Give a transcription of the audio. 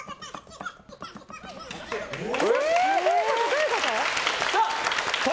どういうこと？